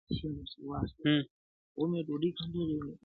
مرګي زده کړی بل نوی چم دی-